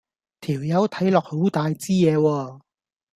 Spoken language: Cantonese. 條友睇落好大枝野喎